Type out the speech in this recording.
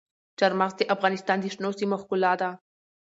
چار مغز د افغانستان د شنو سیمو ښکلا ده.